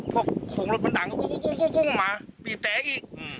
พวกขุงมันดังก็กุ้งมาปีกแตะอีก